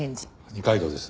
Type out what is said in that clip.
二階堂です。